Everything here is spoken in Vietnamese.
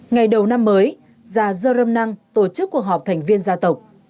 ngày đầu năm mới già dơ râm năng tổ chức cuộc họp thành viên dịch bệnh